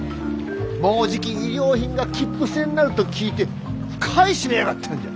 もうじき衣料品が切符制になると聞いて買い占めやがったんじゃ。